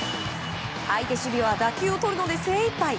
相手守備は打球をとるので精いっぱい。